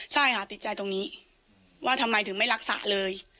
ใช่ค่ะติดใจตรงนี้ว่าทำไมถึงไม่รักษาเลย